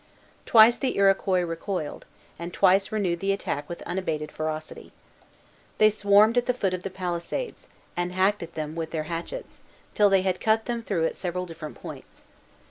Twice the Iroquois recoiled, and twice renewed the attack with unabated ferocity. They swarmed at the foot of the palisades, and hacked at them with their hatchets, till they had cut them through at several different points.